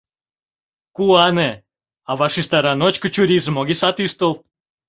Куане! — ава шижтара, ночко чурийжым огешат ӱштыл.